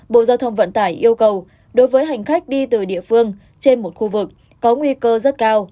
bộ giao thông vận tải yêu cầu đối với hành khách đi từ địa phương trên một khu vực có nguy cơ rất cao